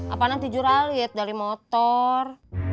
apanya tijur alit dari motor